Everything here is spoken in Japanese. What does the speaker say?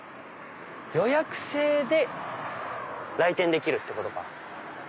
予約制で来店できるってことか。